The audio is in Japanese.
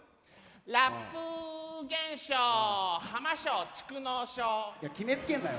「ラップ現象浜省蓄のう症」いや決めつけんなよ。